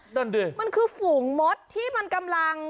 นั่นดิมันคือฝูงมดที่มันกำลัง